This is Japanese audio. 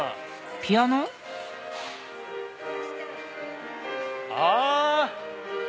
ピアノ？あ！